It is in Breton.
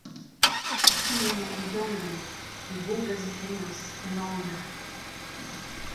Tiern an Indianed e oa. E bobl a zifennas, en aner...